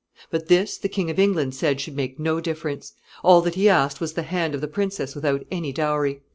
But this the King of England said should make no difference. All that he asked was the hand of the princess without any dowry.